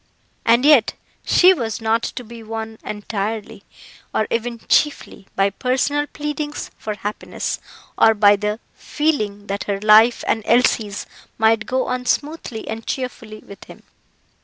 And yet she was not to be won entirely, or even chiefly, by personal pleadings for happiness, or by the feeling that her life and Elsie's might go on smoothly and cheerfully with him.